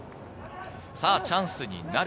チャンスになる。